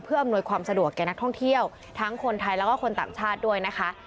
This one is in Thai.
อำนวยความสะดวกแก่นักท่องเที่ยวทั้งคนไทยแล้วก็คนต่างชาติด้วยนะคะ